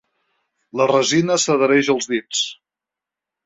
La resina s'adhereix als dits.